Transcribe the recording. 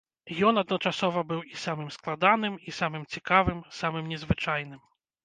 Ён адначасова быў і самым складаным і самым цікавым, самым незвычайным.